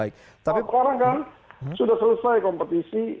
kalau orang kan sudah selesai kompetisi